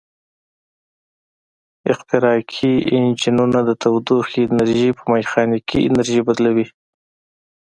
احتراقي انجنونه د تودوخې انرژي په میخانیکي انرژي بدلوي.